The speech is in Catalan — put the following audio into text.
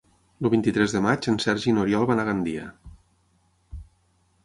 El vint-i-tres de maig en Sergi i n'Oriol van a Gandia.